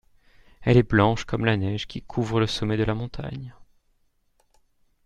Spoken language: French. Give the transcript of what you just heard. Elle est blanche comme la neige qui couvre le sommet de la montagne.